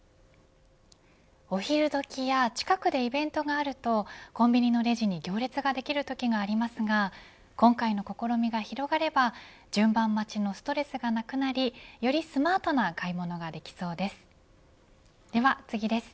お昼どきや近くでイベントがあるとコンビニのレジに行列ができることがありますが今回の試みが広がれば順番待ちのストレスがなくなりよりスマートな買い物ができそうです。